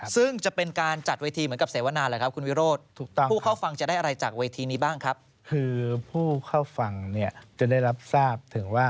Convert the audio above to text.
ซึ่งจะเป็นการจัดเวทีเหมือนกับเศวนาเลยครับพี่วิโรธ